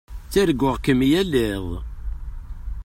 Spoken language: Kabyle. Ttarguɣ-kem yal iḍ.